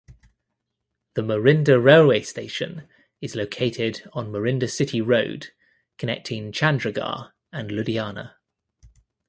The Morinda railway station is located on Morinda city road (Connecting Chandigarh and Ludhiana).